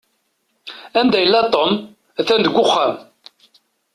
Anda yella Tom? At-an deg uxxam.